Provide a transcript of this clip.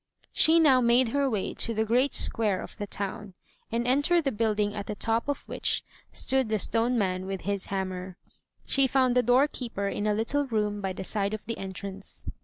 She now made her way to the great square of the town, and entered the building at the top of which stood the stone man with his hammer. She found the doorkeeper in a little room by the side of the entrance.